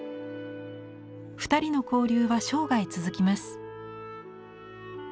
２人の交流は生涯続きます。